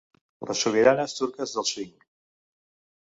Les sobiranes turques del swing.